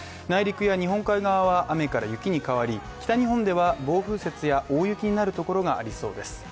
内陸や日本海側は雨から雪に変わり、北日本では暴風雪や大雪になるところがありそうです。